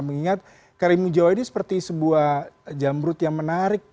mengingat karimun jawa ini seperti sebuah jamrut yang menarik